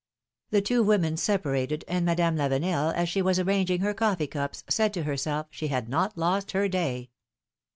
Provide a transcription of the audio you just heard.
The two women separated, and Madame Lavenel, as she was arranging her coJffee cups, said to herself she had not lost her day.